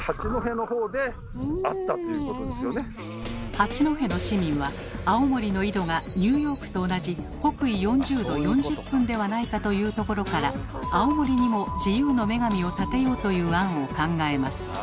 八戸の市民は青森の緯度がニューヨークと同じ北緯４０度４０分ではないかというところからという案を考えます。